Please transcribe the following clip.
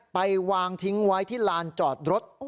ไปวางทิ้งไว้ที่ลานจอดรถ